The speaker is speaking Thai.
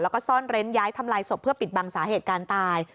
แล้วก็ซ่อนเร้นย้ายทำลายศพเพื่อปิดบังสาเหตุการณ์ตาย